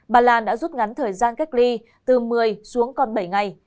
bà lan đã rút ngắn thời gian cách ly từ một mươi xuống còn bảy ngày